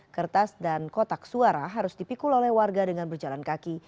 kertas dan kotak suara harus dipikul oleh warga dengan berjalan kaki